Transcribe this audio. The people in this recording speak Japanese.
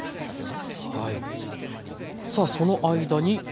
さあその間に。